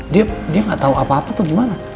dia gak tau apa apa atau gimana